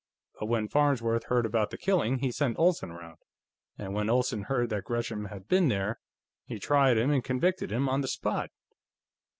But when Farnsworth heard about the killing, he sent Olsen around, and when Olsen heard that Gresham had been there, he tried him and convicted him on the spot."